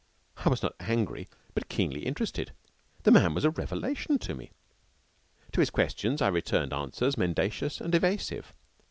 I was not angry, but keenly interested. The man was a revelation to me. To his questions I returned answers mendacious and evasive.